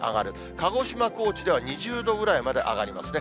鹿児島、高知では２０度ぐらいまで上がりますね。